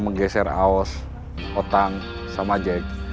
menggeser aos otak sama jack